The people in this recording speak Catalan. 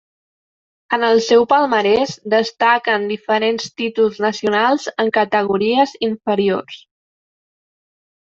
En el seu palmarès destaquen diferents títols nacionals en categories inferiors.